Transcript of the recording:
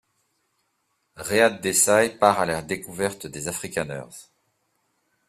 Rehad Desai part à la découverte des Afrikaners.